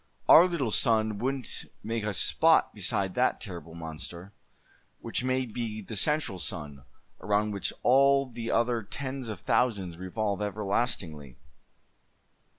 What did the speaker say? Our little sun wouldn't make a spot beside that terrible monster; which may be the central sun, around which all the other tens of thousands revolve everlastingly."